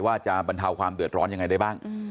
ว่าจะบรรเทาความเดือดร้อนยังไงได้บ้าง